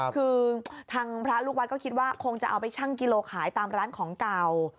คือทางพระลูกวัดก็คิดว่าคงจะเอาไปชั่งกิโลขายตามร้านของเก่า